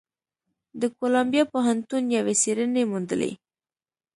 د کولمبیا پوهنتون یوې څېړنې موندلې،